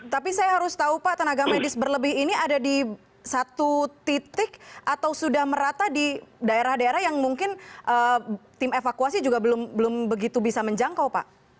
tapi saya harus tahu pak tenaga medis berlebih ini ada di satu titik atau sudah merata di daerah daerah yang mungkin tim evakuasi juga belum begitu bisa menjangkau pak